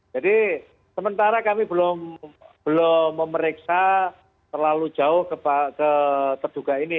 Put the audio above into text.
jadi sementara kami belum memeriksa terlalu jauh ke terduga ini